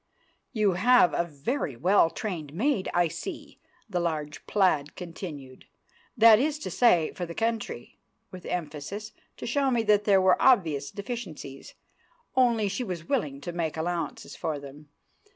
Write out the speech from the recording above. "You have a very well trained maid, I see," the large plaid continued, "that is to say, for the country"—with emphasis, to show me that there were obvious deficiencies, only she was willing to make allowances for them.